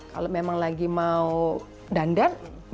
kalau memang lagi mau dandan